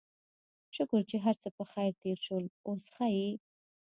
شکر چې هرڅه پخير تېر شول، اوس ښه يې؟